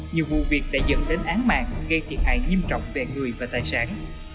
nhiều vụ việc đã dẫn đến án mạng gây thiệt hại nghiêm trọng về người và tài sản